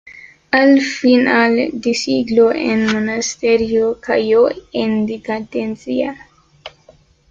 Al final de siglo el monasterio calló en decadencia.